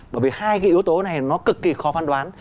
bởi vì hai cái yếu tố này nó cực kỳ khó phán đoán